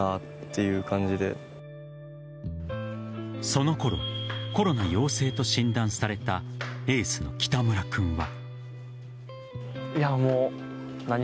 そのころ、コロナ陽性と診断されたエースの北村君は。